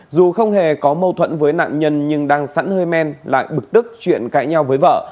dù không hề có mâu thuẫn với nạn nhân nhưng đang sẵn hơi men lại bực tức chuyện cãi nhau với vợ